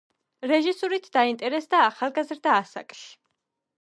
რეჟისურით დაინტერესდა ახალგაზრდა ასაკში.